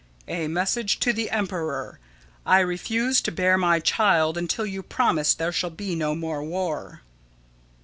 _] "A Message to the Emperor: I refuse to bear my child until you promise there shall be no more war."